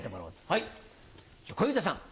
はいじゃあ小遊三さん。